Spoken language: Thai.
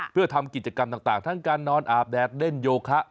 เพื่อทำกิจกรรมต่างทั้งการนอนอาบแดดเล่นโยคะ